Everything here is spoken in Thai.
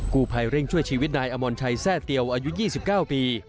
กู้ภัยเร่งช่วยชีวิตนายอมรชัยแทร่เตียวอายุ๒๙ปี